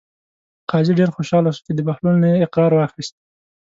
قاضي ډېر خوشحاله شو چې د بهلول نه یې اقرار واخیست.